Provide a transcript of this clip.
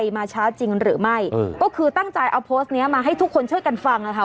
มาช้าจริงหรือไม่ก็คือตั้งใจเอาโพสต์เนี้ยมาให้ทุกคนช่วยกันฟังนะคะ